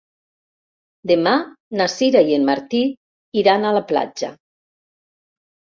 Demà na Sira i en Martí iran a la platja.